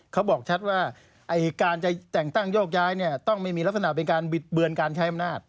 เขาบอกชัดว่าการจะแต่งตั้งโยกย้ายเนี่ยต้องไม่มีลักษณะเป็นการบิดเบือนการใช้อำนาจ